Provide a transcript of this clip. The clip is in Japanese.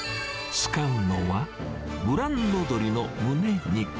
使うのは、ブランド鶏のムネ肉。